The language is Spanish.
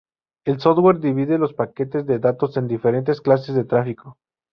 El software divide los paquetes de datos en diferentes clases de tráfico.